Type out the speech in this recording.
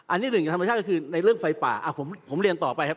อันนี้หนึ่งกับธรรมชาติก็คือในเรื่องไฟป่าผมเรียนต่อไปครับ